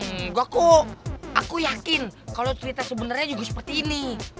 hmm aku yakin kalau cerita sebenarnya juga seperti ini